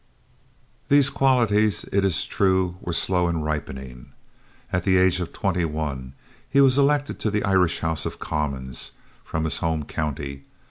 These qualities, it is true, were slow in ripening. At the age of twenty one, he was elected to the Irish House of Commons, from his home County.